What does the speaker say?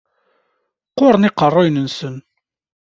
Qquren yiqerruyen-nsen.